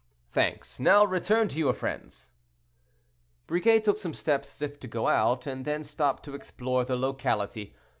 "Thanks; now return to your friends." Briquet took some steps as if to go out, and then stopped to explore the locality.